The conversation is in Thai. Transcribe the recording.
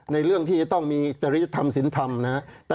เรื่องที่จะต้องมีจริยธรรมศิลธรรมนะครับ